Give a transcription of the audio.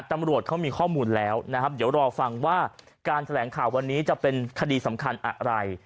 ตำรวจเขามีข้อมูลแล้วนะครับเดี๋ยวรอฟังว่าการแถลงข่าววันนี้จะเป็นคดีสำคัญอะไร